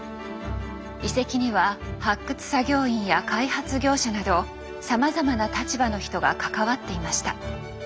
遺跡には発掘作業員や開発業者などさまざまな立場の人が関わっていました。